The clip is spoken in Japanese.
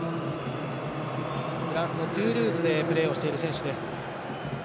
フランスのトゥールーズでプレーをしている選手。